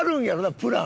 プラン。